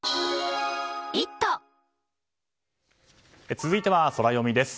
続いてはソラよみです。